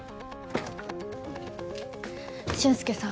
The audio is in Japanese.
俊介さん